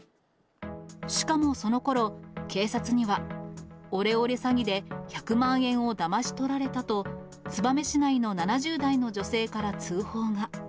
しかもそのころ、警察にはオレオレ詐欺で１００万円をだまし取られたと、燕市内の７０代の女性から通報が。